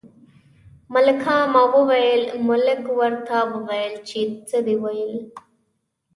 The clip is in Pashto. ملکه ما ویل، ملک ورته وویل چې څه دې ویل.